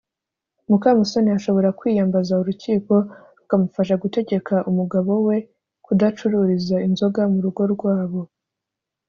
mukamusoni ashobora kwiyambaza urukiko rukamufasha gutegeka umugabo we kudacururiza inzoga mu rugo rwabo.